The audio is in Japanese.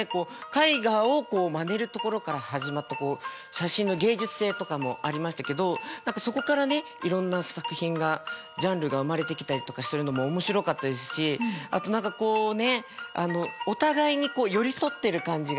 絵画をまねるところから始まった写真の芸術性とかもありましたけどそこからねいろんな作品がジャンルが生まれてきたりとかするのも面白かったですしあと何かこうねお互いに寄り添ってる感じがしました。